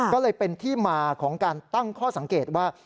ก็เลยเป็นที่มาของการตั้งข้อสังเกตว่า